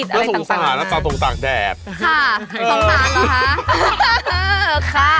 เชฟตัวเล็กมาก